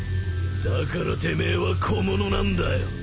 だからてめえは小物なんだよ。